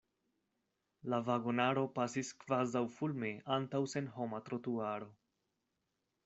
La vagonaro pasis kvazaŭfulme antaŭ senhoma trotuaro.